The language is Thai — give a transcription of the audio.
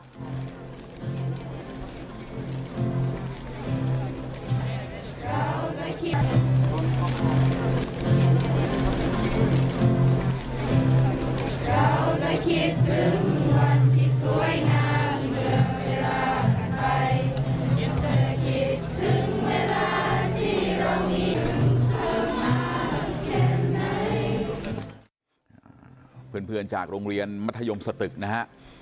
สวยงามเมื่อเวลาอ่านไปเพื่อนจากโรงเรียนมัธยมสตึกนะฮะ